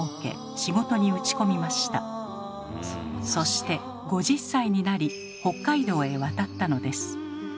そして５０歳になり北海道へ渡ったのです。